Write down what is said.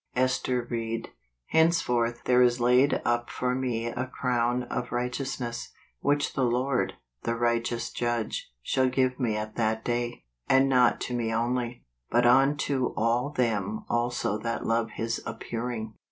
Ester Ried. "Henceforth there is laid up for me a crown of righteousness , which the Lord., the righteous judge, shall give me at that day: and not to me only , but unto all them also that love his appearing